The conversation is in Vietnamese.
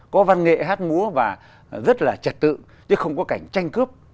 có văn nghệ hát múa và rất là trật tự chứ không có cảnh tranh cướp